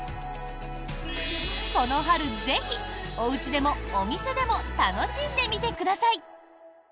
この春ぜひ、おうちでもお店でも楽しんでみてください！